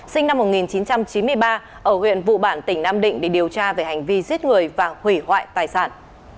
sinh năm một nghìn chín trăm chín mươi ba ở huyện vụ bản tỉnh nam định để điều tra về hành vi giết người và hủy hoại tài sản